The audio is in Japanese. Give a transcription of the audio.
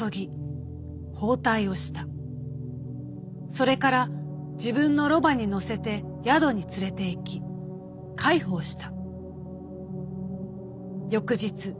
「それから自分のろばに乗せて宿に連れていき介抱した」。